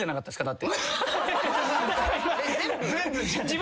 だって。